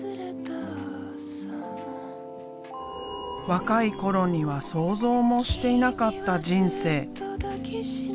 若い頃には想像もしていなかった人生。